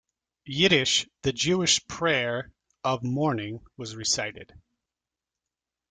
Kaddish, the Jewish prayer of mourning, was recited.